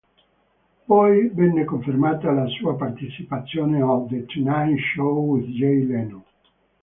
Poi venne confermata la sua partecipazione al "The Tonight Show with Jay Leno".